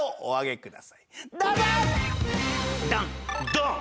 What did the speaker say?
ドン！